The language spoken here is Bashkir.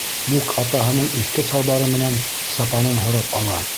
Мук атаһының иҫке салбары менән сапанын һорап ала.